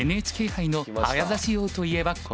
ＮＨＫ杯の早指し王といえばこの方。